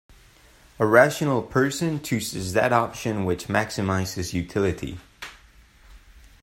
A rational person chooses that option which maximizes utility.